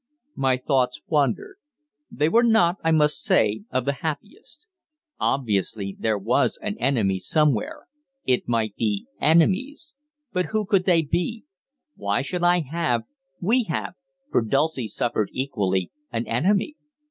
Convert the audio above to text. My thoughts wandered. They were not, I must say, of the happiest. Obviously there was an enemy somewhere it might be enemies. But who could it be? Why should I have, we have for Dulcie suffered equally an enemy?